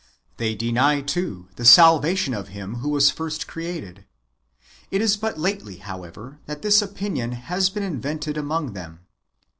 They deny, too, the salvation of him who was first created. It is but lately, however, that this opinion has been invented among them.